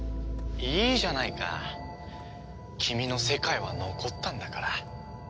いいじゃないか君の世界は残ったんだから。